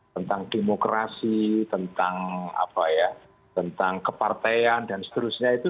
tentang demokrasi tentang apa ya tentang kepartean dan seterusnya itu